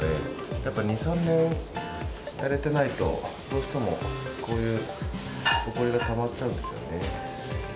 やっぱり２、３年やれてないと、どうしてもこういうほこりがたまっちゃうんですよね。